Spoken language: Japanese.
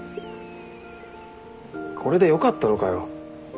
これでよかったのかよ？